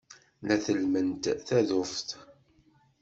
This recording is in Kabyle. La tellment taḍuft.